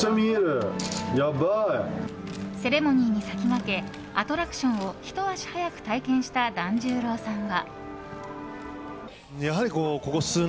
セレモニーに先駆けアトラクションをひと足早く体験した團十郎さんは。